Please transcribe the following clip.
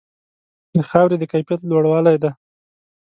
د خاورې د کیفیت لوړوالې دی.